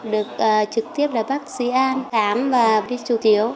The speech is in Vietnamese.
được trực tiếp là bác sĩ an thám và đi chủ tiếu